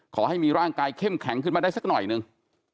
ขอให้มีร่างกายเข้มแข็งขึ้นมาได้สักหน่อยหนึ่ง